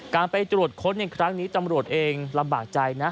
การไปตรวจค้นในครั้งนี้ตำรวจเองลำบากใจนะ